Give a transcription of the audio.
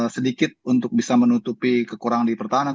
sedikit untuk bisa menutupi kekurangan di pertahanan